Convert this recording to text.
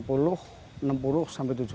pada masa pandemi